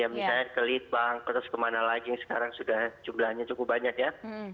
misalnya ke lead bank terus kemana lagi yang sekarang sudah jumlahnya cukup banyak ya